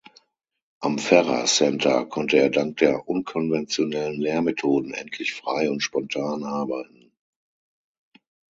Am Ferrer Center konnte er dank der unkonventionellen Lehrmethoden endlich frei und spontan arbeiten.